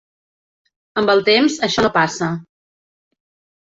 Amb el temps això no passa.